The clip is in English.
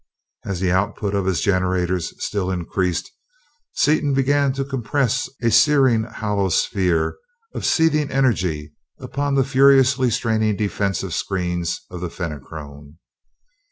As the output of his generators still increased, Seaton began to compress a searing hollow sphere of seething energy upon the furiously straining defensive screens of the Fenachrone.